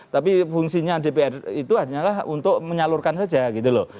tapi fungsinya dpr itu hanyalah untuk menyalurkan saja gitu loh